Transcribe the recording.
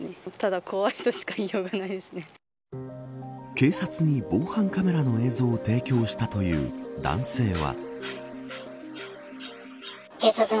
警察に防犯カメラの映像を提供したという男性は。